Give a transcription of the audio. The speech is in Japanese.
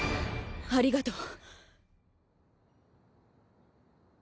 ありがとう。